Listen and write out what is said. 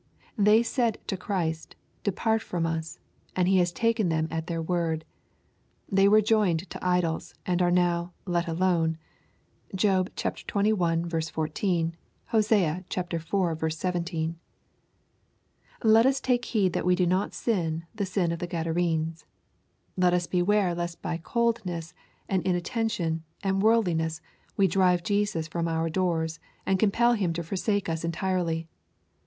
They said to Christ, ^^ Depart from us,'^ and He has taken them at their word. They were joined to idols, and are now " let alone." (Job xxi. 14 ; Hosea iv. 17.) Let us take heed that we do not sin the sin of the Gadarenes. Let us beware lest by coldness, and inat tention, and worldliness, we drive Jesus from our doors, and compel Him to forsake us entirely.